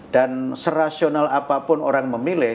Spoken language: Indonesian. dan serasional apapun orang memilih